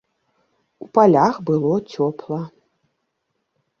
У палях было цёпла.